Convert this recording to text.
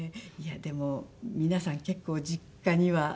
いやでも皆さん結構実家には。